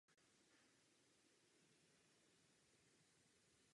Je částí stejnojmenné komunity a obecní jednotky.